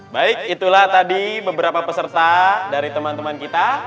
baik itulah tadi beberapa peserta dari teman teman kita